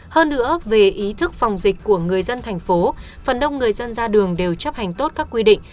hơn nữa về ý thức phòng dịch của người dân thành phố phần đông người dân ra đường đều chấp hành tốt các quy định